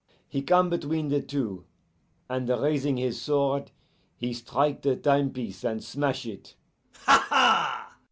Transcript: He come between the two, and, raising his sword, he strike the time piece and smash it. 'Ha! ha!